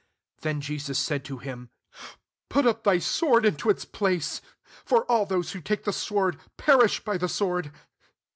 52 Then Jesus said to him, " Put up thy sword into its place: for all those who take tlie sword, perish by the sword.